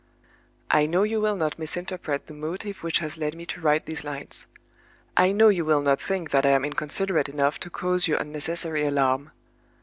"I know you will not misinterpret the motive which has led me to write these lines; I know you will not think that I am inconsiderate enough to cause you unnecessary alarm.